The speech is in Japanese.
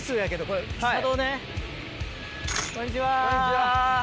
こんにちは。